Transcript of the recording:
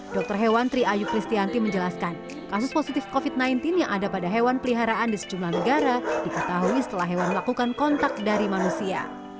dr hewan tri ayu kristianti menjelaskan kasus positif covid sembilan belas yang ada pada hewan peliharaan di sejumlah negara diketahui setelah hewan melakukan kontak dari manusia